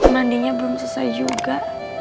mandinya belum selesai juga